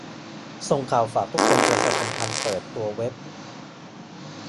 ส่งข่าวฝากทุกคนประชาสัมพันธ์เปิดตัวเว็บ